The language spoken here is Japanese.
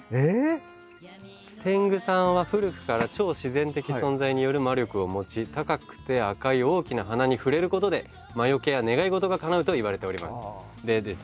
「天狗さんは古くから超自然的存在による魔力を持ち高くて赤い大きな鼻に触れることで『魔よけ』や『願いごと』が叶うと言われております」。